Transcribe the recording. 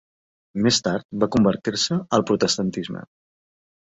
Més tard va convertir-se al protestantisme.